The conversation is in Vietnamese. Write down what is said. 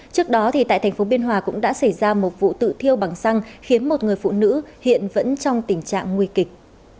trước đó tại thành phố biên hòa cũng đã xảy ra một vụ tự thiêu bằng xăng khiến một người phụ nữ hiện vẫn trong tình trạng nguy kịch